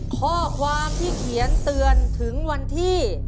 ข้อความที่เขียนเตือนถึงวันที่